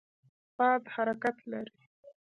باد حرکت لري.